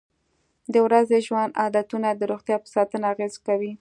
د ورځني ژوند عادتونه د روغتیا په ساتنه اغېزه کوي.